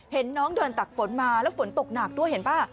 เห็นน้องเดินตักฝนมาแล้วฝนตกหนักด้วยเห็นป่ะ